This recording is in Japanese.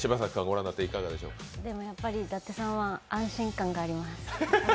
でもやっぱり伊達さんは安心感があります。